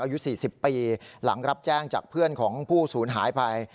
อายุ๔๐ปีหลังรับแจ้งจากเพื่อนของผู้ศูนย์หายไป